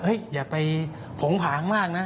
อย่าไปผงผางมากนะ